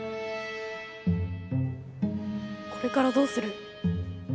これからどうする？